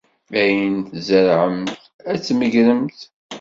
Ayen ay tzerɛemt, ad t-tmegremt.